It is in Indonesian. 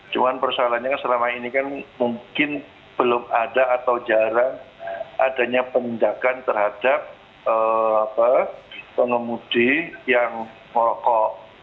cuma persoalannya selama ini kan mungkin belum ada atau jarang adanya penindakan terhadap pengemudi yang merokok